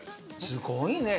すごいね。